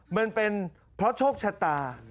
มันเป็นเพราะโชคชะตา